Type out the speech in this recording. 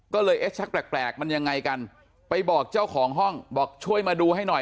ก็เลยเอ๊ะชักแปลกมันยังไงกันไปบอกเจ้าของห้องบอกช่วยมาดูให้หน่อย